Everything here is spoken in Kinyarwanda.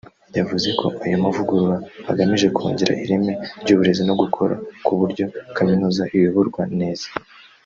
yavuze ko ayo mavugurura agamije kongera ireme ry’uburezi no gukora ku buryo kaminuza iyoborwa neza